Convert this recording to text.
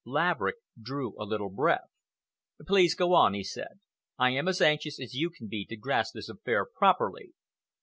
Laverick drew a little breath. "Please go on," he said. "I am as anxious as you can be to grasp this affair properly."